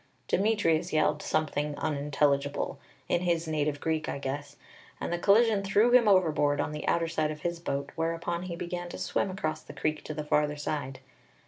Demetrius yelled something unintelligible, in his native Greek, I guess, and the collision threw him overboard, on the outer side of his boat, whereupon he began to swim across the creek to the farther side.